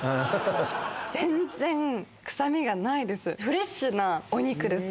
全然臭みがないです